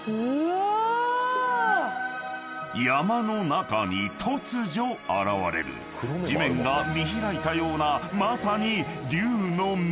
［山の中に突如現れる地面が見開いたようなまさに龍の眼］